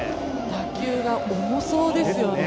打球が重そうですよね。